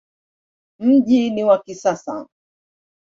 Mji ni wa kisasa.